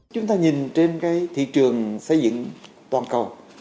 chúng ta nhìn trên cái thị trường xây dựng toàn cầu